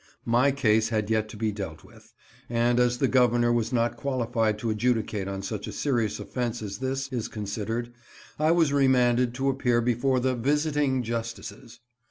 My case had yet to be dealt with, and as the Governor was not qualified to adjudicate on such a serious offence as this is considered, I was remanded to appear before the Visiting Justices.